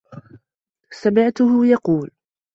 سَمِعْتُهُ يَقُولُ